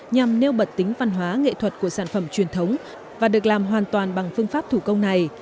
nhằm nêu bật tính văn hóa nghệ thuật của sản phẩm truyền thống và được làm hoàn toàn bằng phương pháp thủ công này